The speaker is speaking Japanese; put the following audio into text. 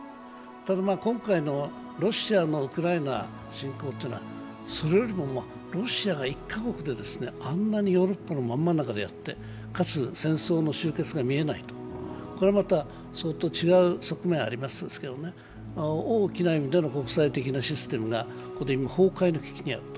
ただ今回のロシアのウクライナ侵攻というのは、それよりもロシアが１か国であんなにヨーロッパの真ん中でやってかつ戦争の終結が見えないと、これまた相当違う側面がありますけど大きな意味での国際的なシステムが今、崩壊の危機にある。